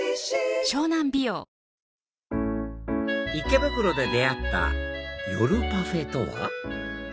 池袋で出会った夜パフェとは？